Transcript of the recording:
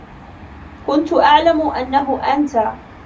كنت أعلم أنه أنت.